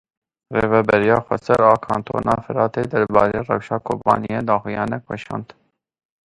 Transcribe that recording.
Rêveberiya Xweser a Kantona Firatê derbarê rewşa Kobaniyê daxuyaniyek weşand